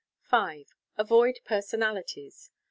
5. Avoid personalities.